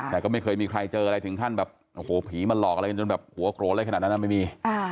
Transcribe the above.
แต่ก็ไม่เคยมีใครเจออะไรถึงขั้นแบบโอ้โหผีมาหลอกอะไรกันจนแบบหัวโกรธอะไรขนาดนั้นไม่มี